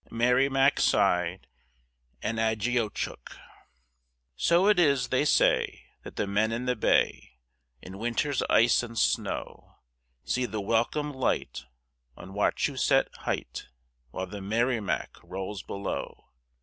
MERRIMAC SIDE, AND AGIOCHOOK So it is, they say, that the men in the bay, In winter's ice and snow, See the welcome light on Wachusett Height While the Merrimac rolls below.